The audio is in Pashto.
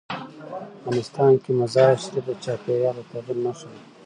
افغانستان کې مزارشریف د چاپېریال د تغیر نښه ده.